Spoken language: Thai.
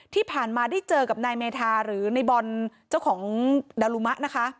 ที่ผ่านมาได้เจอกับนายเมธาหรือในบอลเจ้าของดารุมะนะคะ